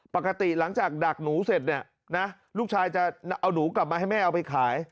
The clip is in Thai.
ปกติหลังจากดักหนูเสร็จเนี่ยนะลูกชายจะเอาหนูกลับมาให้แม่เอาไปขาย